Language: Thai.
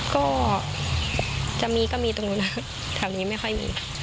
ก็จะมีก็มีตรงนู้นเท่านี้ไม่ค่อยมี